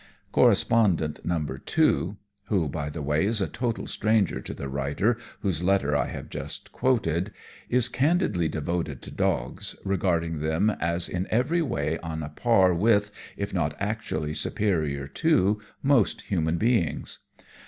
Correspondent No. 2 (who, by the way, is a total stranger to the writer whose letter I have just quoted) is candidly devoted to dogs, regarding them as in every way on a par with, if not actually superior to, most human beings.